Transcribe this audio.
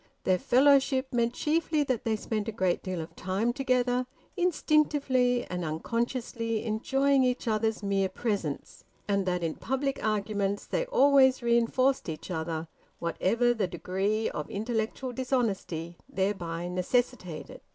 Their fellowship meant chiefly that they spent a great deal of time together, instinctively and unconsciously enjoying each other's mere presence, and that in public arguments they always reinforced each other, whatever the degree of intellectual dishonesty thereby necessitated.